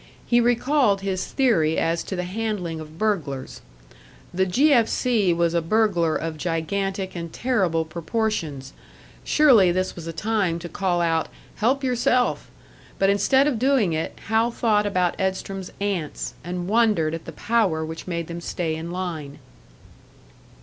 He recalled his theory as to the handling of burglars. The "G. F. C." was a burglar of gigantic and terrible proportions; surely this was a time to call out, "Help yourself!" But instead of doing it, Hal thought about Edstrom's ants, and wondered at the power which made them stay in line.